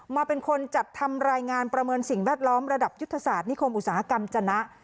มาเป็นคนจัดทำรายงานประเมินสิ่งแวดล้อมระดับยุทธศาสตร์นิคมอุตสาหกรรมจนะ